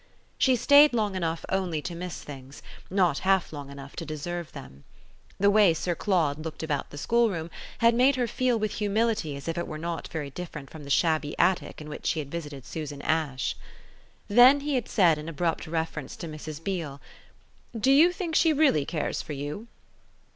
She stayed long enough only to miss things, not half long enough to deserve them. The way Sir Claude looked about the schoolroom had made her feel with humility as if it were not very different from the shabby attic in which she had visited Susan Ash. Then he had said in abrupt reference to Mrs. Beale: "Do you think she really cares for you?"